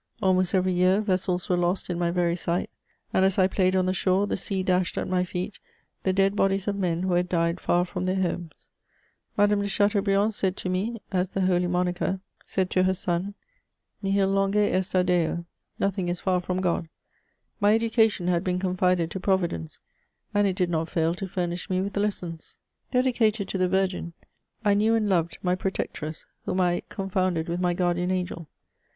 Almost every year vessels were lost in my very sight ; and, as I played on the shore, the sea dashed at my feet the dead bodies of men who had died far from their homes. Madame de Chateaubriand said to me, as the holy Monica said CHATEAUBRIAND. 71 to her son : NihU Umge est a Deo, Nothing is far from Grod. My education had been confided to Providence, and it did not feal to furnish me with lessons. Dedicated to the Virgin, I knew and loved my protectress, whom I confounded with my guardian angel.